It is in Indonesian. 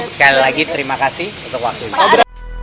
sekali lagi terima kasih untuk waktu ini